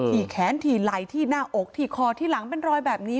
ที่แขนถี่ไหล่ที่หน้าอกที่คอที่หลังเป็นรอยแบบนี้